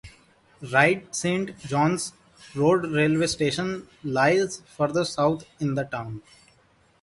Ryde Saint John's Road railway station lies further south in the town.